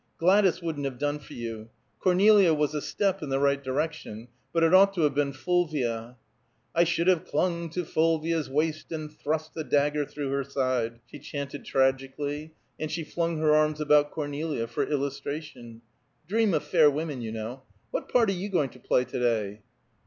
Gladys wouldn't have done for you. Cornelia was a step in the right direction; but it ought to have been Fulvia. "'I should have clung to Fulvia's waist and thrust The dagger through her side,'" she chanted tragically; and she flung her arms about Cornelia for illustration. "Dream of Fair Women, you know. What part are you going to play, today?"